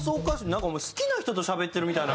なんかお前好きな人としゃべってるみたいな。